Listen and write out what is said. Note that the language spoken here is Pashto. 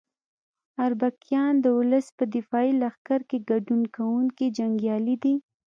اربکیان د ولس په دفاعي لښکر کې ګډون کوونکي جنګیالي دي.